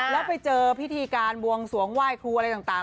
แล้วไปเจอพิธีการบวงสวงไหว้ครูอะไรต่าง